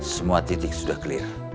semua titik sudah clear